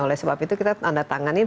oleh sebab itu kita tanda tangan ini